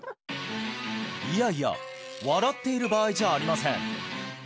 いやいや笑っている場合じゃありません